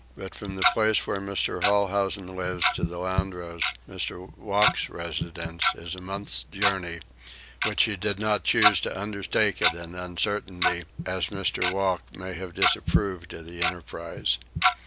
But from the place where Mr. Holhousen lives to the Landros, Mr. Wocke's residence, is a month's journey, which he did not choose to undertake at an uncertainty, as Mr. Wocke might have disapproved of the enterprise.